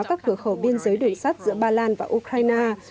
các cửa khẩu biên giới đường sắt giữa ba lan và ukraine